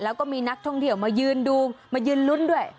แล้วก็มีนักท่องเที่ยวมายืนดูมายืนลุ้นด้วย